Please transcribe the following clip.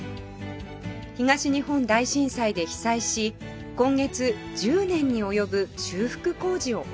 東日本大震災で被災し今月１０年に及ぶ修復工事を終えました